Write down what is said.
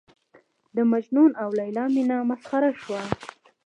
د مجنون او لېلا مینه مسخره شوه.